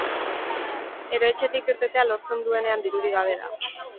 Eroetxetik irtetea lortzen duenean dirurik gabe da.